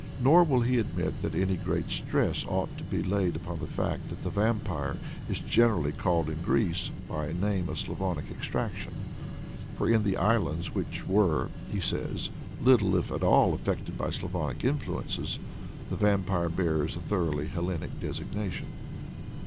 Nor will he admit that any very great stress ought to be laid upon the fact that the Vampire is generally called in Greece by a name of Slavonic extraction; for in the islands, which were, he says, little if at all affected by Slavonic influences, the Vampire bears a thoroughly Hellenic designation.